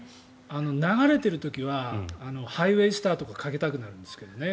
流れている時は「ハイウェイスター」とかかけたくなるんですけどね